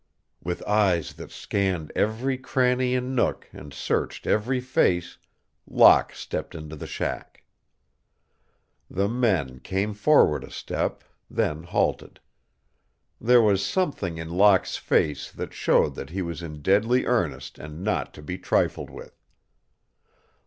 With eyes that scanned every cranny and nook and searched every face, Locke stepped into the shack. The men came forward a step, then halted. There was something in Locke's face that showed that he was in deadly earnest and not to be trifled with.